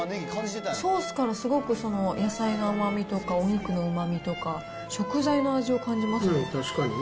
ソースからすごく野菜の甘みとか、お肉のうまみとか、食材の確かにね。